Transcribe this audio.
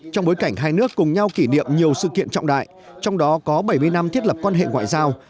trong bối cảnh hai nước cùng nhau kỷ niệm nhiều sự kiện trọng đại trong đó có bảy mươi năm thiết lập quan hệ ngoại giao